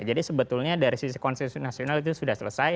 jadi sebetulnya dari sisi konsensus nasional itu sudah selesai